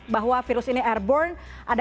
bahwa virus ini airborne ada